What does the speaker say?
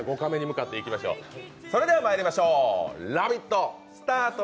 それではまいりましょうラヴィット！